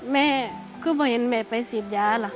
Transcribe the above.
แม่คือไม่เห็นแม่ไปสิทธิ์ยากหรอ